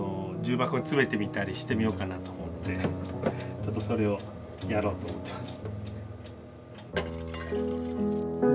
ちょっとそれをやろうと思ってます。